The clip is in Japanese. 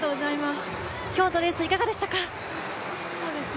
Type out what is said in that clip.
今日のレース、いかがでしたか？